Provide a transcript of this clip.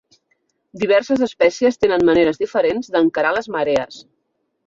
Diverses espècies tenen maneres diferents d'encarar les marees.